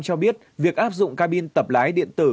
đường bộ việt nam cho biết việc áp dụng cabin tập lái điện tử